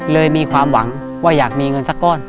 มีความหวังว่าอยากมีเงินสักก้อน